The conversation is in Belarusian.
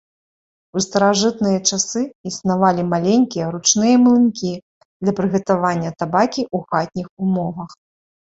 У старажытныя часы існавалі маленькія ручныя млынкі для прыгатавання табакі ў хатніх умовах.